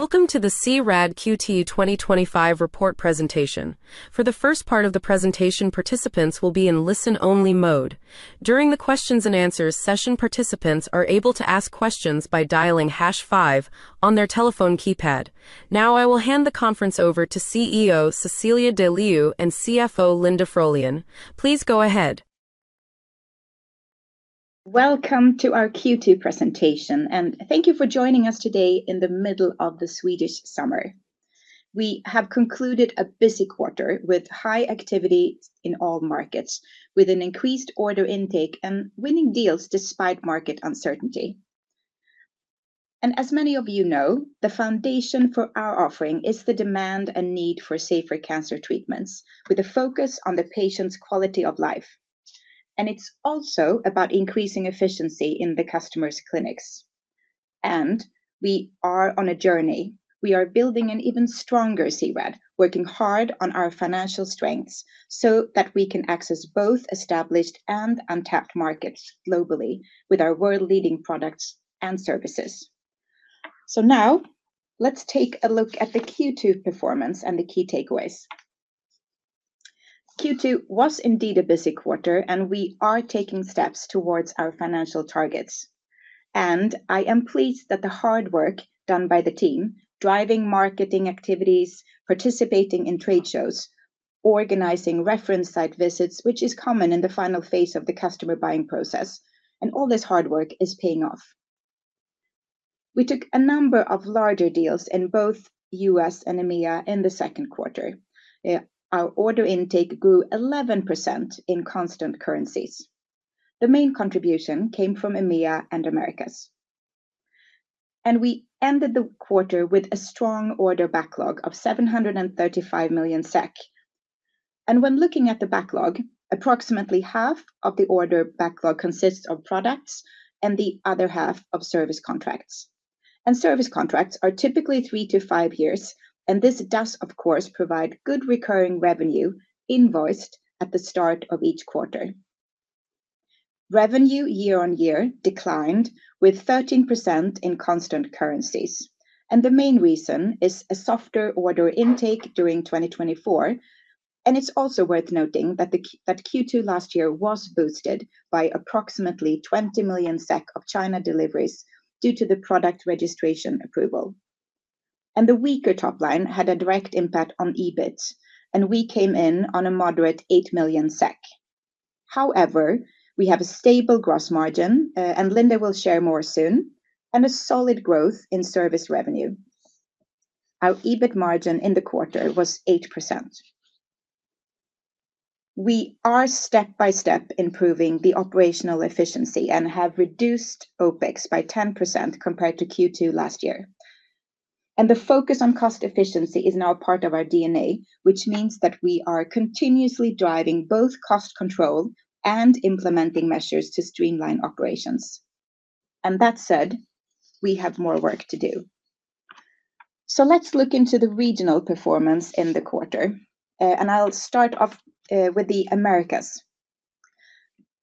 Welcome to the C-RAD Q2 2025 report presentation. For the first part of the presentation, participants will be in listen-only mode. During the questions and answers session, participants are able to ask questions by dialing Hash five on their telephone keypad. Now, I will hand the conference over to CEO Cecilia De Leeuw and CFO Linda Frölén. Please go ahead. Welcome to our Q2 presentation, and thank you for joining us today in the middle of the Swedish summer. We have concluded a busy quarter with high activity in all markets, with an increased order intake and winning deals despite market uncertainty. As many of you know, the foundation for our offering is the demand and need for safer cancer treatments, with a focus on the patient's quality of life. It's also about increasing efficiency in the customers' clinics. We are on a journey. We are building an even stronger C-RAD, working hard on our financial strengths so that we can access both established and untapped markets globally with our world-leading products and services. Now, let's take a look at the Q2 performance and the key takeaways. Q2 was indeed a busy quarter, and we are taking steps towards our financial targets. I am pleased that the hard work done by the team, driving marketing activities, participating in trade shows, organizing reference site visits, which is common in the final phase of the customer buying process, and all this hard work is paying off. We took a number of larger deals in both the U.S. and EMEA in the second quarter. Our order intake grew 11% in constant currencies. The main contribution came from EMEA and Americas. We ended the quarter with a strong order backlog of 735 million SEK. When looking at the backlog, approximately half of the order backlog consists of products and the other half of service contracts. Service contracts are typically three to five years, and this does, of course, provide good recurring revenue invoiced at the start of each quarter. Revenue year-on-year declined with 13% in constant currencies. The main reason is a softer order intake during 2024. It's also worth noting that Q2 last year was boosted by approximately 20 million SEK of China deliveries due to the product registration approval. The weaker top line had a direct impact on EBIT, and we came in on a moderate 8 million SEK. However, we have a stable gross margin, and Linda will share more soon, and a solid growth in service revenue. Our EBIT margin in the quarter was 8%. We are step-by-step improving the operational efficiency and have reduced OpEx by 10% compared to Q2 last year. The focus on cost efficiency is now part of our DNA, which means that we are continuously driving both cost control and implementing measures to streamline operations. That said, we have more work to do. Let's look into the regional performance in the quarter. I'll start off with the Americas.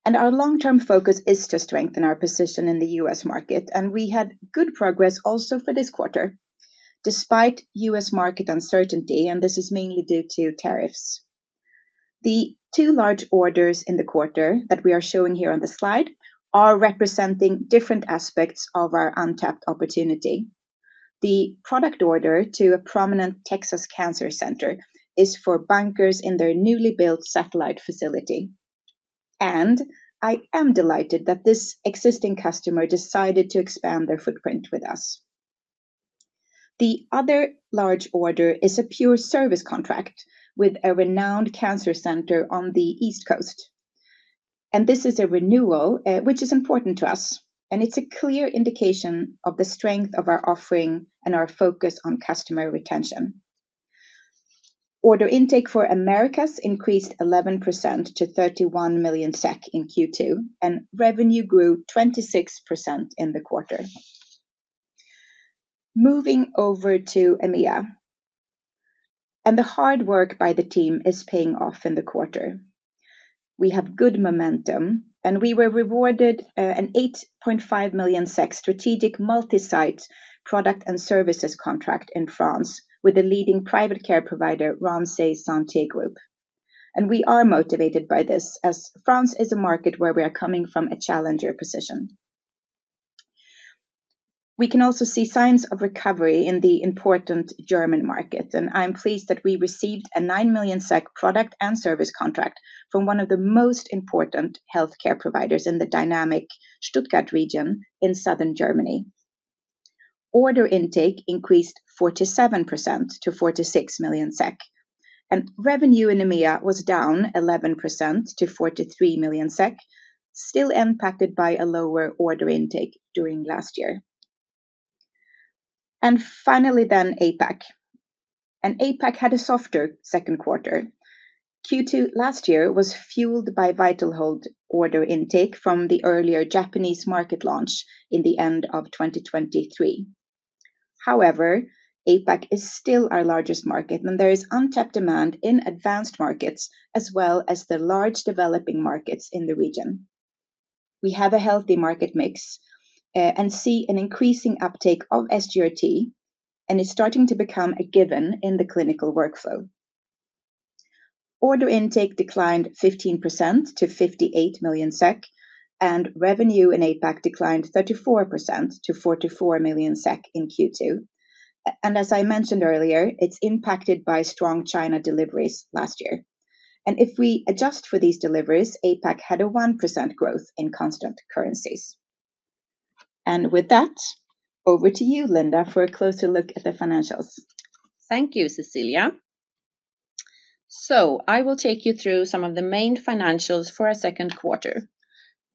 Our long-term focus is to strengthen our position in the US market, and we had good progress also for this quarter despite US market uncertainty, and this is mainly due to tariffs. The two large orders in the quarter that we are showing here on the slide are representing different aspects of our untapped opportunity. The product order to a prominent Texas cancer center is for linear accelerators in their newly built satellite facility. I am delighted that this existing customer decided to expand their footprint with us. The other large order is a pure service contract with a renowned cancer center on the East Coast. This is a renewal, which is important to us, and it's a clear indication of the strength of our offering and our focus on customer retention. Order intake for Americas increased 11% to 31 million SEK in Q2, and revenue grew 26% in the quarter. Moving over to EMEA, the hard work by the team is paying off in the quarter. We have good momentum, and we were rewarded an 8.5 million SEK strategic multi-site product and services contract in France with the leading private care provider, Ramsay Santé Group. We are motivated by this as France is a market where we are coming from a challenger position. We can also see signs of recovery in the important German market, and I'm pleased that we received an 9 million SEK product and service contract from one of the most important healthcare providers in the dynamic Stuttgart region in southern Germany. Order intake increased 47% to 46 million SEK. Revenue in EMEA was down 11% to 43 million SEK, still impacted by a lower order intake during last year. Finally, then APAC. APAC had a softer second quarter. Q2 last year was fueled by VitalHold order intake from the earlier Japanese market launch in the end of 2023. However, APAC is still our largest market, and there is untapped demand in advanced markets as well as the large developing markets in the region. We have a healthy market mix and see an increasing uptake of SGRT, and it's starting to become a given in the clinical workflow. Order intake declined 15% to 58 million SEK, and revenue in APAC declined 34% to 44 million SEK in Q2. As I mentioned earlier, it's impacted by strong China deliveries last year. If we adjust for these deliveries, APAC had a 1% growth in constant currencies. With that, over to you, Linda, for a closer look at the financials. Thank you, Cecilia. I will take you through some of the main financials for our second quarter.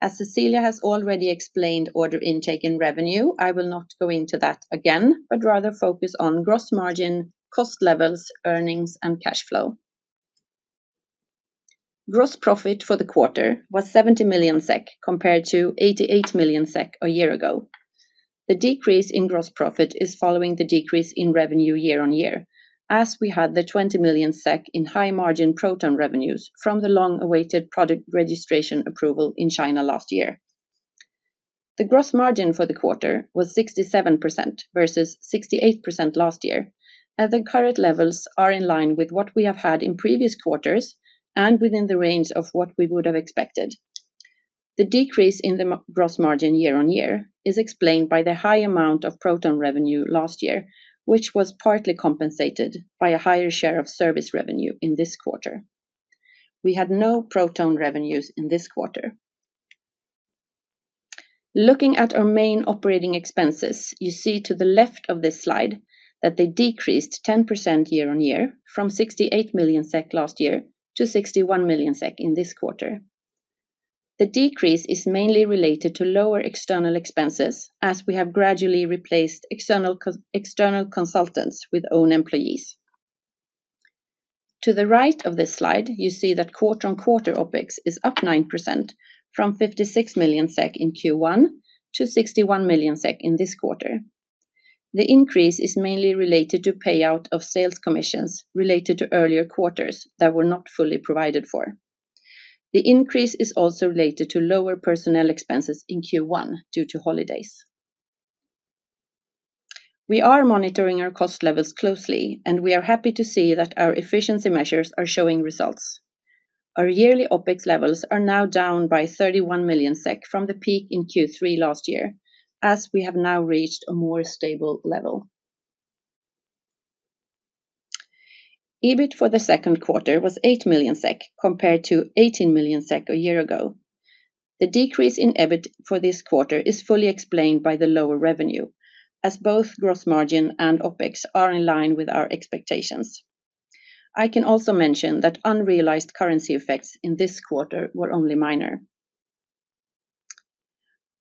As Cecilia has already explained, order intake and revenue, I will not go into that again, but rather focus on gross margin, cost levels, earnings, and cash flow. Gross profit for the quarter was 70 million SEK compared to 88 million SEK a year ago. The decrease in gross profit is following the decrease in revenue year-on-year, as we had 20 million SEK in high margin proton revenues from the long-awaited product registration approval in China last year. The gross margin for the quarter was 67% versus 68% last year, and the current levels are in line with what we have had in previous quarters and within the range of what we would have expected. The decrease in the gross margin year-on-year is explained by the high amount of proton revenue last year, which was partly compensated by a higher share of service revenue in this quarter. We had no proton revenues in this quarter. Looking at our main operating expenses, you see to the left of this slide that they decreased 10% year-on-year from 68 million SEK last year to 61 million SEK in this quarter. The decrease is mainly related to lower external expenses as we have gradually replaced external consultants with own employees. To the right of this slide, you see that quarter-on-quarter OpEx is up 9% from 56 million SEK in Q1 to 61 million SEK in this quarter. The increase is mainly related to payout of sales commissions related to earlier quarters that were not fully provided for. The increase is also related to lower personnel expenses in Q1 due to holidays. We are monitoring our cost levels closely, and we are happy to see that our efficiency measures are showing results. Our yearly OpEx levels are now down by 31 million SEK from the peak in Q3 last year, as we have now reached a more stable level. EBIT for the second quarter was 8 million SEK compared to 18 million SEK a year ago. The decrease in EBIT for this quarter is fully explained by the lower revenue, as both gross margin and OpEx are in line with our expectations. I can also mention that unrealized currency effects in this quarter were only minor.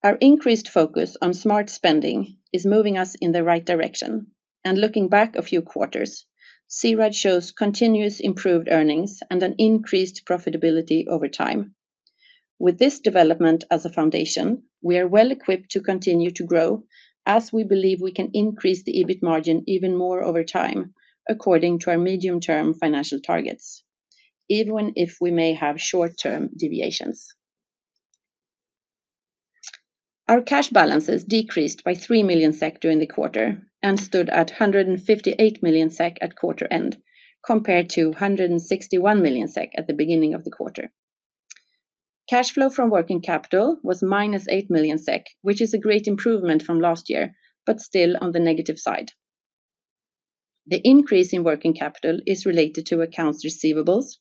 Our increased focus on smart spending is moving us in the right direction, and looking back a few quarters, C-RAD shows continuous improved earnings and an increased profitability over time. With this development as a foundation, we are well equipped to continue to grow as we believe we can increase the EBIT margin even more over time according to our medium-term financial targets, even if we may have short-term deviations. Our cash balances decreased by 3 million SEK during the quarter and stood at 158 million SEK at quarter end, compared to 161 million SEK at the beginning of the quarter. Cash flow from working capital was minus 8 million SEK, which is a great improvement from last year, but still on the negative side. The increase in working capital is related to accounts receivables,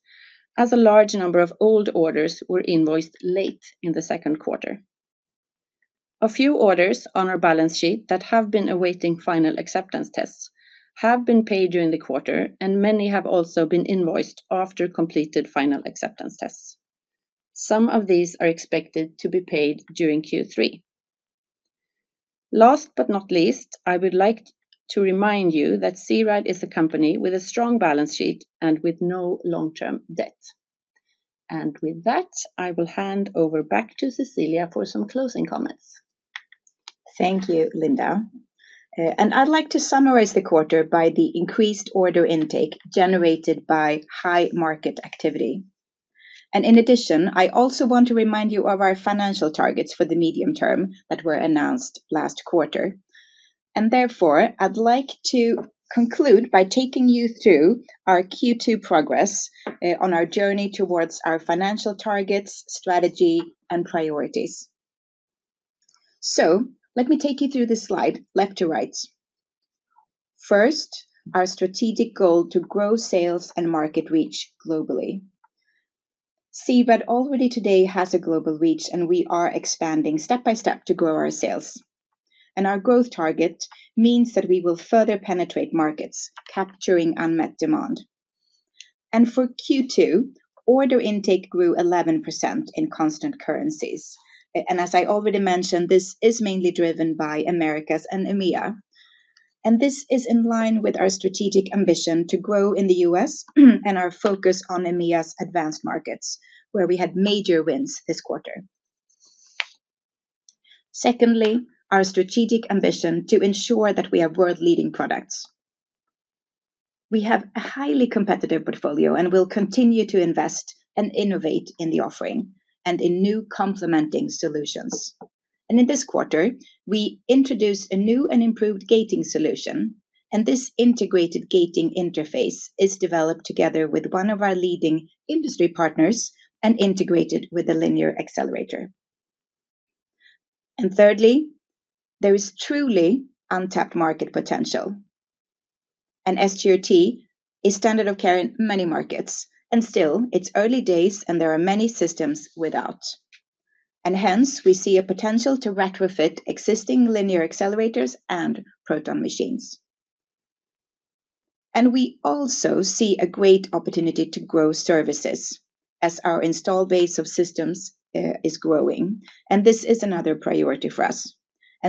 as a large number of old orders were invoiced late in the second quarter. A few orders on our balance sheet that have been awaiting final acceptance tests have been paid during the quarter, and many have also been invoiced after completed final acceptance tests. Some of these are expected to be paid during Q3. Last but not least, I would like to remind you that C-RAD is a company with a strong balance sheet and with no long-term debt. With that, I will hand over back to Cecilia for some closing comments. Thank you, Linda. I'd like to summarize the quarter by the increased order intake generated by high market activity. In addition, I also want to remind you of our financial targets for the medium term that were announced last quarter. Therefore, I'd like to conclude by taking you through our Q2 progress on our journey towards our financial targets, strategy, and priorities. Let me take you through this slide left to right. First, our strategic goal to grow sales and market reach globally. C-RAD already today has a global reach, and we are expanding step-by-step to grow our sales. Our growth target means that we will further penetrate markets, capturing unmet demand. For Q2, order intake grew 11% in constant currencies. As I already mentioned, this is mainly driven by Americas and EMEA. This is in line with our strategic ambition to grow in the U.S. and our focus on EMEA's advanced markets, where we had major wins this quarter. Secondly, our strategic ambition to ensure that we have world-leading products. We have a highly competitive portfolio and will continue to invest and innovate in the offering and in new complementing solutions. In this quarter, we introduced a new and improved gating solution, and this integrated gating interface is developed together with one of our leading industry partners and integrated with a linear accelerator. Thirdly, there is truly untapped market potential. SGRT is standard of care in many markets, and still, it's early days and there are many systems without. Hence, we see a potential to retrofit existing linear accelerators and proton machines. We also see a great opportunity to grow services as our install base of systems is growing, and this is another priority for us.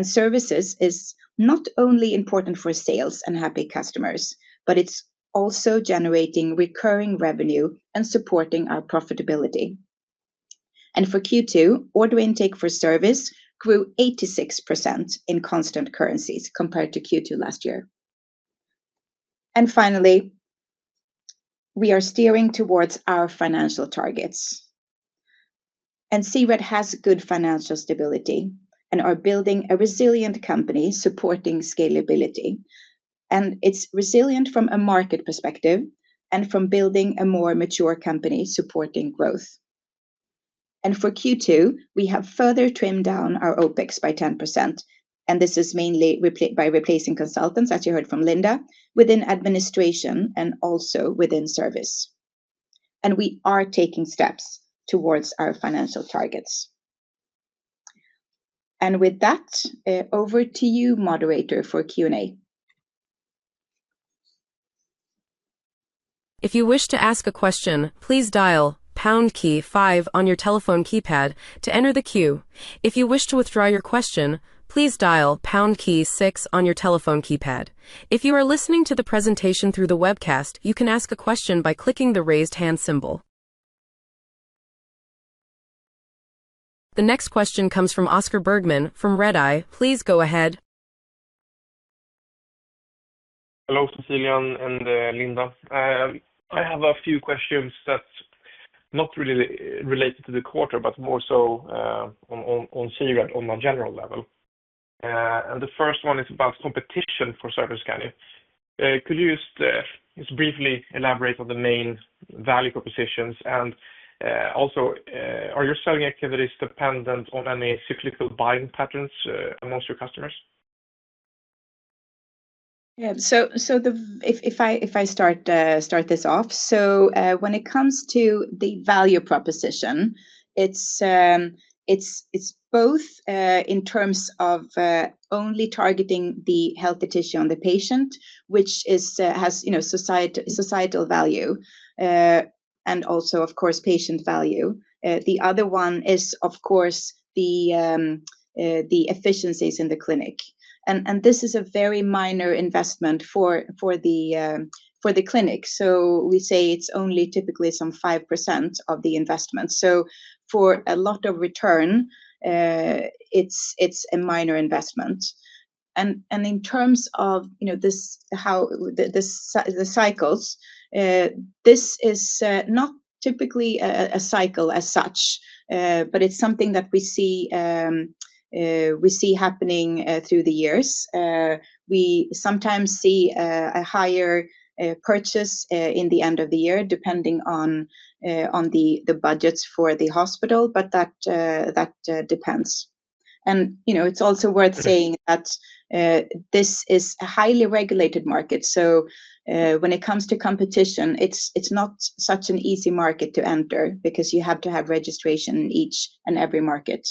Services is not only important for sales and happy customers, but it's also generating recurring revenue and supporting our profitability. For Q2, order intake for service grew 86% in constant currencies compared to Q2 last year. Finally, we are steering towards our financial targets. C-RAD has good financial stability and are building a resilient company supporting scalability. It's resilient from a market perspective and from building a more mature company supporting growth. For Q2, we have further trimmed down our OpEx by 10%, and this is mainly by replacing consultants, as you heard from Linda, within administration and also within service. We are taking steps towards our financial targets. With that, over to you, moderator for Q&A. If you wish to ask a question, please dial Hash five on your telephone keypad to enter the queue. If you wish to withdraw your question, please dial Hash six on your telephone keypad. If you are listening to the presentation through the webcast, you can ask a question by clicking the raised hand symbol. The next question comes from Oscar Bergman from Redeye. Please go ahead. Hello, Cecilia and Linda. I have a few questions that are not really related to the quarter, but more so on C-RAD on a general level. The first one is about competition for service value. Could you just briefly elaborate on the main value propositions? Also, are your selling activities dependent on any cyclical buying patterns amongst your customers? If I start this off, when it comes to the value proposition, it's both in terms of only targeting the healthy tissue on the patient, which has societal value and also, of course, patient value. The other one is, of course, the efficiencies in the clinic. This is a very minor investment for the clinic. We say it's only typically some 5% of the investment. For a lot of return, it's a minor investment. In terms of the cycles, this is not typically a cycle as such, but it's something that we see happening through the years. We sometimes see a higher purchase in the end of the year depending on the budgets for the hospital, but that depends. It's also worth saying that this is a highly regulated market. When it comes to competition, it's not such an easy market to enter because you have to have registration in each and every market.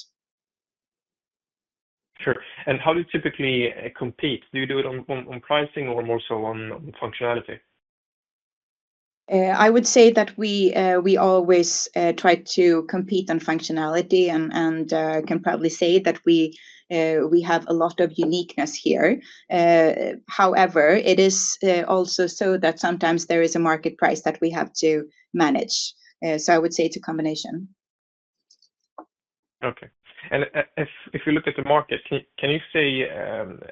Sure. How do you typically compete? Do you do it on pricing or more so on functionality? I would say that we always try to compete on functionality and can probably say that we have a lot of uniqueness here. However, it is also so that sometimes there is a market price that we have to manage. I would say it's a combination. If you look at the market, can you say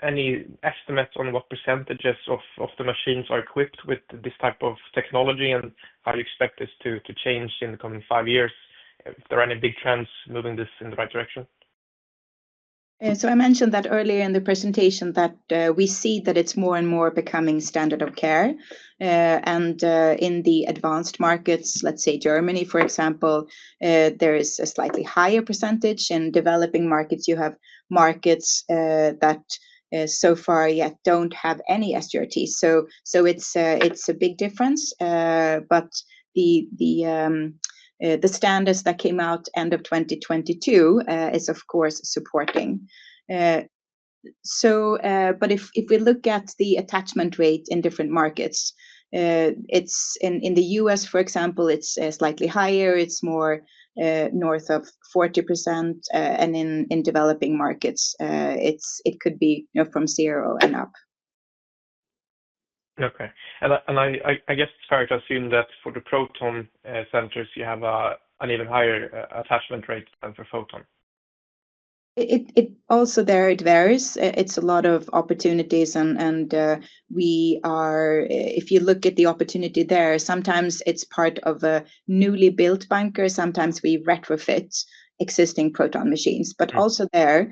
any estimates on what % of the machines are equipped with this type of technology and how you expect this to change in the coming five years? If there are any big trends moving this in the right direction? I mentioned that earlier in the presentation that we see that it's more and more becoming standard of care. In the advanced markets, let's say Germany, for example, there is a slightly higher percentage. In developing markets, you have markets that so far yet don't have any SGRT. It's a big difference, but the standards that came out end of 2022 is, of course, supporting. If we look at the attachment rate in different markets, in the U.S., for example, it's slightly higher. It's more north of 40%, and in developing markets, it could be from zero and up. I guess, to assume that for the proton centers, you have an even higher attachment rate than for photon. Also, there it varies. It's a lot of opportunities. If you look at the opportunity there, sometimes it's part of a newly built bunker. Sometimes we retrofit existing proton machines. Also, there,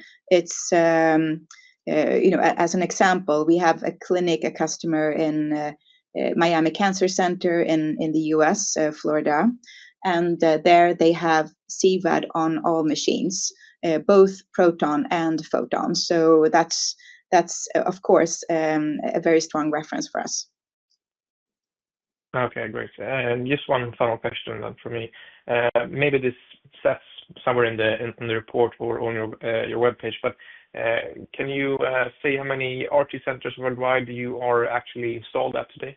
as an example, we have a clinic, a customer in Miami Cancer Center in the U.S., Florida. There they have C-RAD on all machines, both proton and photon. That's, of course, a very strong reference for us. Great. Just one final question for me. Maybe this says somewhere in the report or on your web page, but can you say how many RT centers worldwide you are actually installed at today?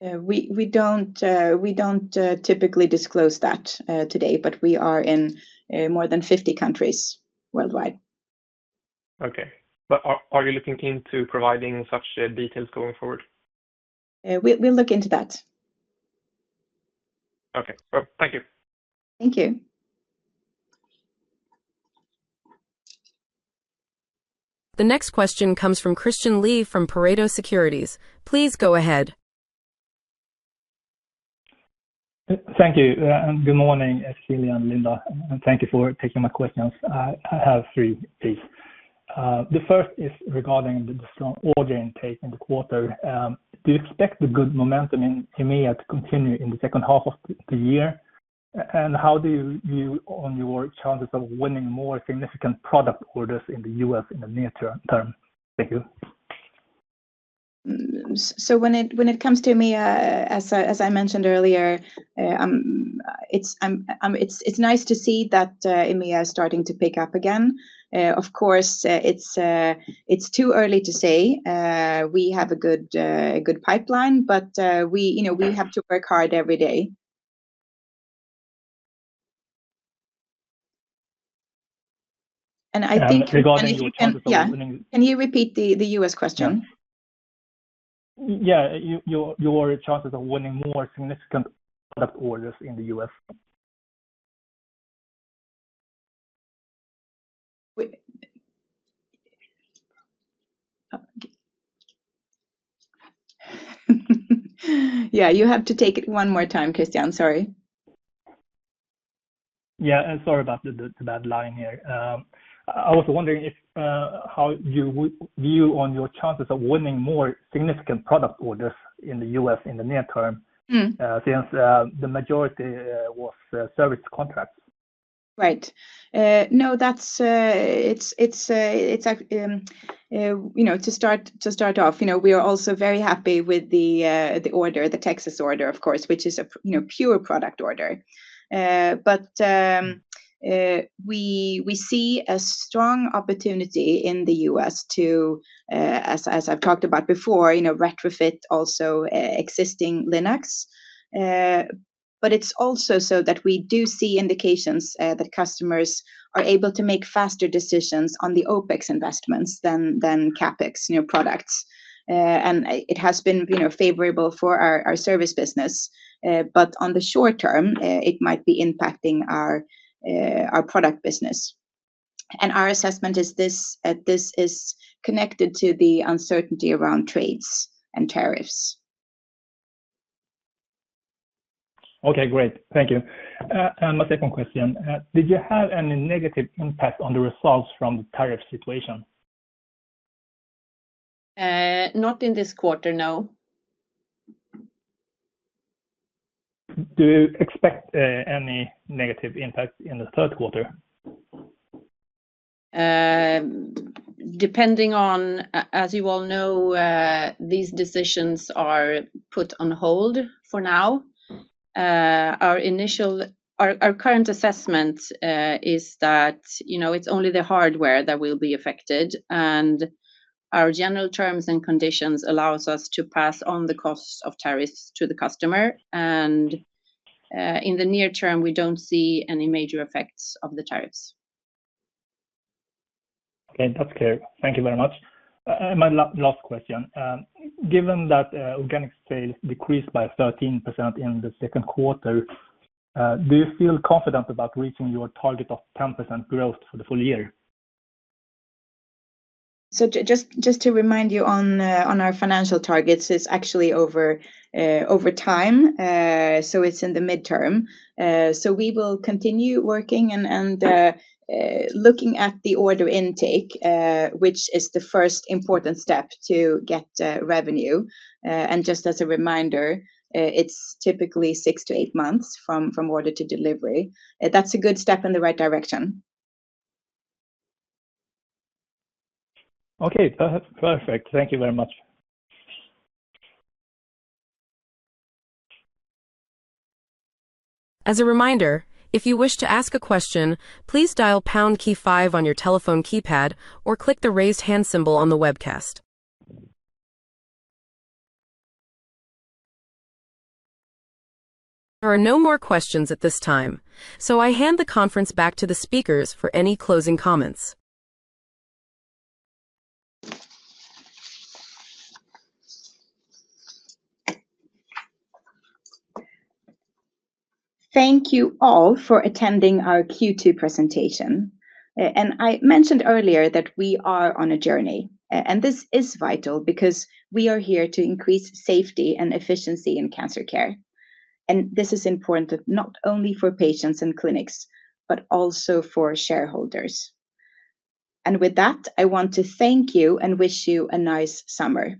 We don't typically disclose that today, but we are in more than 50 countries worldwide. Are you looking into providing such details going forward? We'll look into that. Thank you. Thank you. The next question comes from Christian Lee from Pareto Securities. Please go ahead. Thank you. Good morning, Cecilia and Linda. Thank you for taking my questions. I have three, please. The first is regarding the strong order intake in the quarter. Do you expect the good momentum in EMEA to continue in the second half of the year? How do you view your chances of winning more significant product orders in the U.S. in the near term? Thank you. When it comes to EMEA, as I mentioned earlier, it's nice to see that EMEA is starting to pick up again. Of course, it's too early to say. We have a good pipeline, but we have to work hard every day. Regarding your chances of winning. Can you repeat the US question? Your chances of winning more significant product orders in the U.S. You have to take it one more time, Christian. Sorry. Sorry about the bad line here. I was wondering how you view your chances of winning more significant product orders in the U.S. in the near term since the majority was service contract. Right. No, to start off, we are also very happy with the order, the Texas order, of course, which is a pure product order. We see a strong opportunity in the US to, as I've talked about before, retrofit also existing linear accelerators. It is also so that we do see indications that customers are able to make faster decisions on the OpEx investments than CapEx new products. It has been favorable for our service business, but in the short term, it might be impacting our product business. Our assessment is this is connected to the uncertainty around trade and tariffs. Great. Thank you. My second question, did you have any negative impact on the results from the tariff situation? Not in this quarter, no. Do you expect any negative impact in the third quarter? Depending on, as you all know, these decisions are put on hold for now. Our current assessment is that it's only the hardware that will be affected, and our general terms and conditions allow us to pass on the costs of tariffs to the customer. In the near term, we don't see any major effects of the tariffs. That's clear. Thank you very much. My last question, given that organic sales decreased by 13% in the second quarter, do you feel confident about reaching your target of 10% growth for the full year? Just to remind you on our financial targets, it's actually over time, so it's in the midterm. We will continue working and looking at the order intake, which is the first important step to get revenue. Just as a reminder, it's typically six-eight months from order to delivery. That's a good step in the right direction. Perfect. Thank you very much. As a reminder, if you wish to ask a question, please dial Hash five on your telephone keypad or click the raised hand symbol on the webcast. There are no more questions at this time. I hand the conference back to the speakers for any closing comments. Thank you all for attending our Q2 presentation. I mentioned earlier that we are on a journey, and this is vital because we are here to increase safety and efficiency in cancer care. This is important not only for patients and clinics, but also for shareholders. With that, I want to thank you and wish you a nice summer.